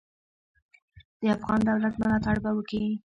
د افغان دولت ملاتړ به وکي.